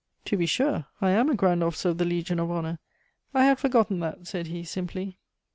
"To be sure, I am a grand officer of the Legion of Honor; I had forgotten that," said he simply.